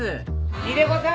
秀子さん！